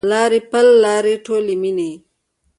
لارې پل لارې ټولي میینې